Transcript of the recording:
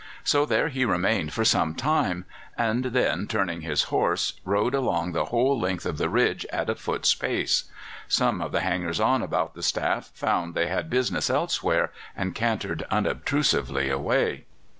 So there he remained for some time, and then, turning his horse, rode along the whole length of the ridge at a foot's pace. Some of the hangers on about the staff found they had business elsewhere, and cantered unobtrusively away.